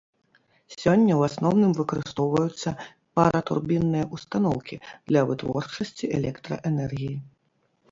Сёння ў асноўным выкарыстоўваюцца паратурбінныя ўстаноўкі для вытворчасці электраэнергіі.